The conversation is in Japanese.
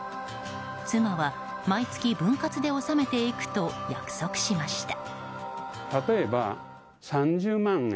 妻は毎月、分割で納めていくと約束しました。